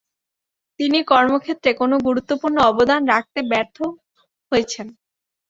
তিনি কর্মক্ষেত্রে কোনো গুরুত্বপূর্ণ অবদান রাখতে ব্যর্থ হয়েছেন।